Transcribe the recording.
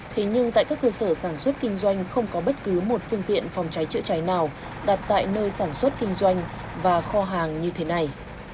thế nhưng tại các cơ sở sản xuất kinh doanh không có bất cứ một phương tiện phòng cháy chữa cháy nào đặt tại nơi sản xuất kinh doanh và kho hàng như thế này